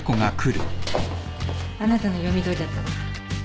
あなたの読みどおりだったわ。